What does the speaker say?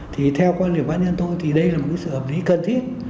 thì theo quan điểm bác nhân tôi thì đây là một sự hợp lý cần thiết